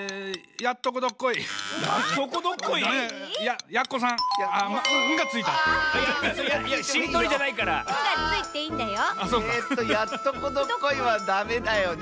「やっとこどっこい」はダメだよね。